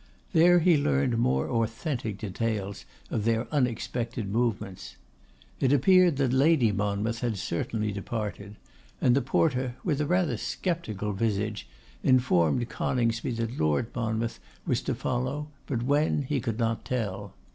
There he learnt more authentic details of their unexpected movements. It appeared that Lady Monmouth had certainly departed; and the porter, with a rather sceptical visage, informed Coningsby that Lord Monmouth was to follow; but when, he could not tell.